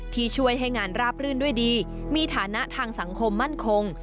ที่ช่วยให้งานราบรื่นด้วยดีมีฐานะทางสังคมมั่นคง